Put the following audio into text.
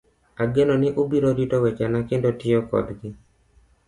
Ageno ni ubiro rito wechena kendo tiyo kodgi.